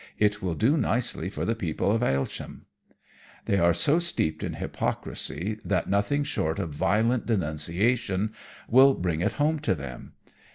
"It will do nicely for the people of Aylesham. They are so steeped in hypocrisy that nothing short of violent denunciation will bring it home to them.